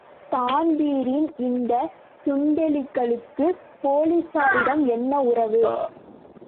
Dan Breen இந்த சுண்டெலிகளுக்குப் போலிஸாரிடம் என்ன உறவு?